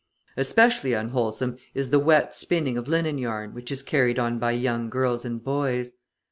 {163b} Especially unwholesome is the wet spinning of linen yarn which is carried on by young girls and boys.